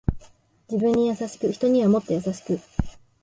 自分に優しく人にはもっと優しく